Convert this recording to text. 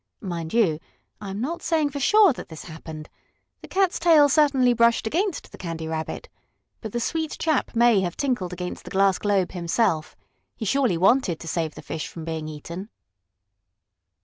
Mind you, I am not saying for sure that this happened. The cat's tail certainly brushed against the Candy Rabbit, but the sweet chap may have tinkled against the glass globe himself. He surely wanted to save the fish from being eaten.